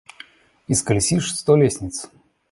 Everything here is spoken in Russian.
Исколесишь сто лестниц.